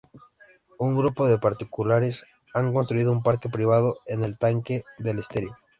Un grupo de particulares han construido un parque privado en el tranque del estero.